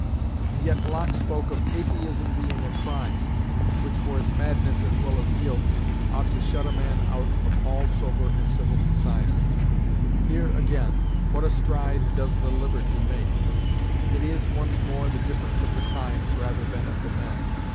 And yet Locke spoke of "atheism being a crime, which, for its madness as well as guilt, ought to shut a man out of all sober and civil society." Here again, what a stride does the Liberty make? It is, once more, the difference of the times, rather than of the men.